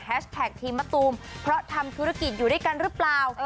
ทีมมะตูมเพราะทำธุรกิจอยู่ด้วยกันหรือเปล่า